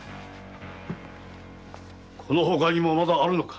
この他にもまだあるのか。